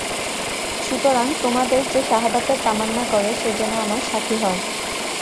সুতরাং তোমাদের যে শাহাদাতের তামান্না করে সে যেন আমার সাথী হয়।